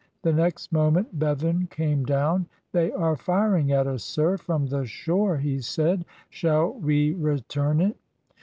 The next moment Bevan came down. "They are firing at us, sir, from the shore," he said. "Shall we return it?"